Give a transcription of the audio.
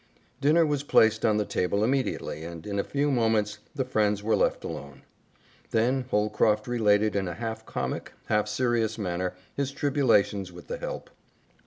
Dinner was placed on the table immediately, and in a few moments the friends were left alone. Then Holcroft related in a half comic, half serious manner his tribulations with the help.